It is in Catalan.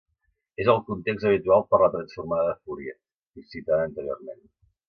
És el context habitual per a la Transformada de Fourier, citada anteriorment.